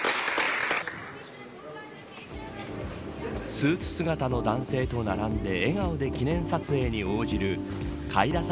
スーツ姿の男性と並んで笑顔で記念撮影に応じるカイラサ